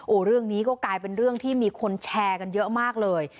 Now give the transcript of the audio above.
เรื่องนี้ก็กลายเป็นเรื่องที่มีคนแชร์กันเยอะมากเลย